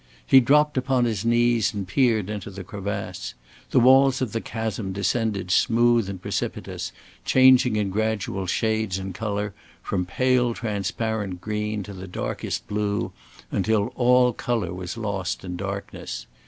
He dropped upon his knees and peered into the crevasse. The walls of the chasm descended smooth and precipitous, changing in gradual shades and color from pale transparent green to the darkest blue, until all color was lost in darkness.